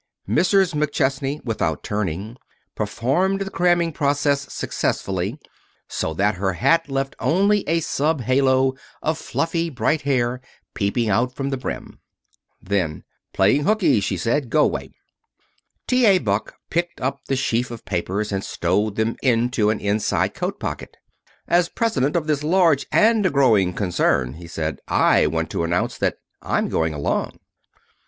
Mrs. McChesney, without turning, performed the cramming process successfully, so that her hat left only a sub halo of fluffy bright hair peeping out from the brim. Then, "Playing hooky," she said. "Go 'way." T. A. Buck picked up the sheaf of papers and stowed them into an inside coat pocket. "As president of this large and growing concern," he said, "I want to announce that I'm going along."